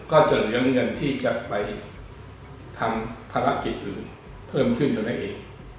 ก็จะเหลือเงินที่จะไปทำภารกิจอื่นเพิ่มขึ้นเท่านั้นเอง